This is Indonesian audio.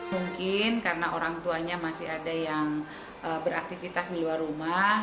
mungkin karena orang tuanya masih ada yang beraktivitas di luar rumah